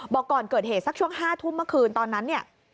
บอกก่อนเกิดเหตุสักช่วง๕ทุ่มเมื่อคืนตอนนั้นเนี่ย